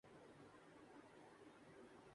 اور پاکستان میں ایسے اچھے حالات پیدا ہوسکتے ہیں ۔